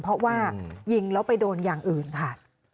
เพราะว่ายิงแล้วไปโดนอย่างอื่นค่ะ